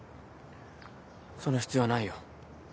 その必要はないよ。